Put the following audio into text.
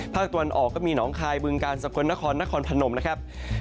ตะวันออกก็มีหนองคายบึงกาลสกลนครนครพนมนะครับ